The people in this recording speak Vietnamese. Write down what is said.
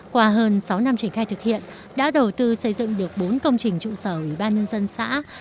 qua hơn sáu năm triển khai thực hiện đã đầu tư xây dựng được bốn công trình trụ sở ủy ban nhân dân xã